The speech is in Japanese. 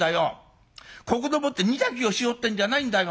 ここでもって煮炊きをしようってんじゃないんだよ。